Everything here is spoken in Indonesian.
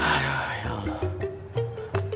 aduh ya allah